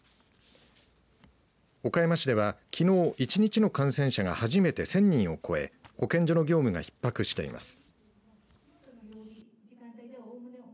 岡山市ではきのう１日の感染者が初めて１０００人を超え保健所の業務がひっ迫しています。